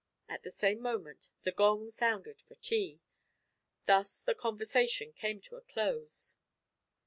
At the same moment the gong sounded for tea. Thus the conversation came to a close.